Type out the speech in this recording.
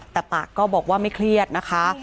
แต่ปากก็บอกว่าไม่เครียดนะคะ